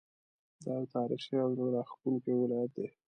دا یو تاریخي او زړه راښکونکی ولایت دی.